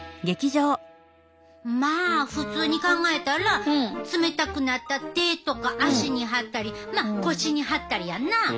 まあ普通に考えたら冷たくなった手とか足に貼ったりまあ腰に貼ったりやんな。